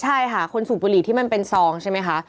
ใช่ค่ะคนสูบบุหรี่ที่มันเป็นซองใช่ไหมคะ